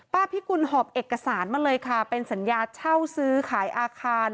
พิกุลหอบเอกสารมาเลยค่ะเป็นสัญญาเช่าซื้อขายอาคาร